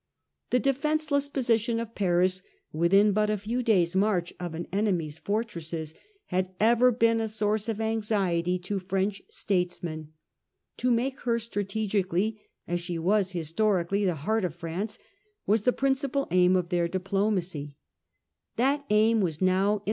The defenceless position of Paris, within but a few days' march of an enemy's fortresses, had ever been a Aim of source of anxiety to French statesmen. To French make her strategically, as she was historically, Ui^eSfern 1 ^ ie ^ eart °f France, was the principal aim frontier of their diplomacy. That aim was now in secure